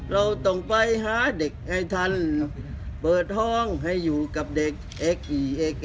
เราต้องไปหาเด็กให้ทันเปิดห้องให้อยู่กับเด็ก